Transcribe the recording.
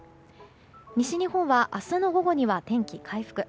西日本は明日の午後には天気回復。